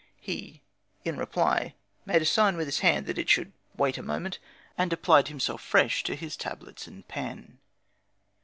He, in reply, made a sign with his hand that it should wait a moment, and applied himself afresh to his tablets and pen.